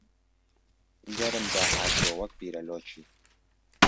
گەرم داهاتووە وەک پیرە لۆکی